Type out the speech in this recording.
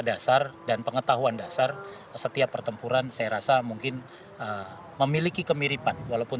dasar dan pengetahuan dasar setiap pertempuran saya rasa mungkin memiliki kemiripan walaupun